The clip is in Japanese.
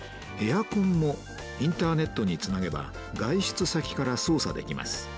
エアコンもインターネットにつなげば外出先から操作できます。